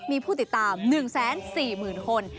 มีผู้ติดตาม๑๔๐๐๐คน